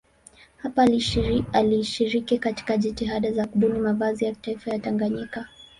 Hapa alishiriki katika jitihada za kubuni mavazi ya kitaifa ya Tanganyika.